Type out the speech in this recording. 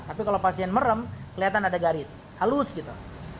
tapi kalau pasien merem kelihatan ada garis halus gitu